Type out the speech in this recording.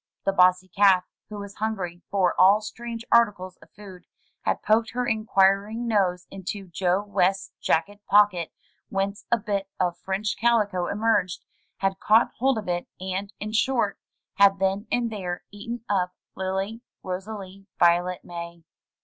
The bossy calf, who was hungry for all strange articles of food, had poked her inquiring nose into Joe West's jacket pocket, whence a bit of French calico emerged, had caught hold of it, and, in short, had then and there eaten up Lily Rosalie Violet May.